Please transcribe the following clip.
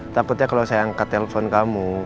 takutnya kalau saya angkat telpon kamu